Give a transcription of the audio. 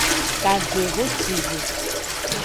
Kavehocive.